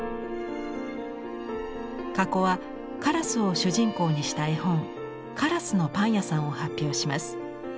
かこはからすを主人公にした絵本「からすのパンやさん」を発表します。